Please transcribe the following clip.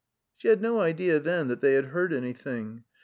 She had no idea then that they had heard any thing.